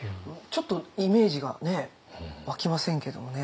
ちょっとイメージが湧きませんけどもね。